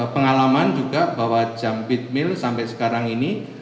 pengalaman juga bahwa jump it mill sampai sekarang ini